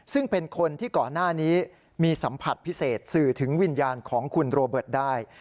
ซึ่งเป็นคนที่ก่อนหน้านี้มีสัมผัสพิเศษสื่อถึงวิญญาณของคุณโรเบิร์ตได้